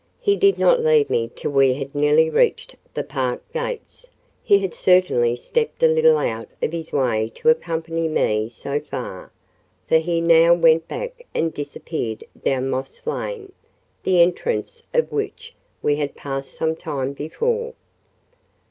He did not leave me till we had nearly reached the park gates: he had certainly stepped a little out of his way to accompany me so far, for he now went back and disappeared down Moss Lane, the entrance of which we had passed some time before.